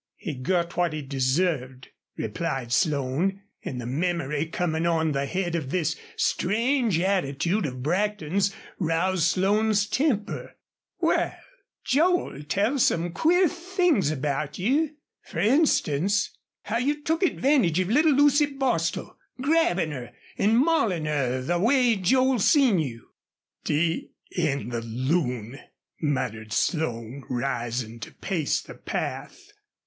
"He got what he deserved," replied Slone, and the memory, coming on the head of this strange attitude of Brackton's, roused Slone's temper. "Wal, Joel tells some queer things about you fer instance, how you took advantage of little Lucy Bostil, grabbin' her an' maulin' her the way Joel seen you." "D n the loon!" muttered Slone, rising to pace the path.